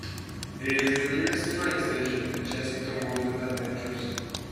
It is the nearest train station to Chessington World of Adventures.